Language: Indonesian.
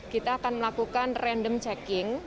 kita akan melakukan random checking